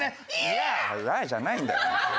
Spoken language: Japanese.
「ヤー！」じゃないんだよ。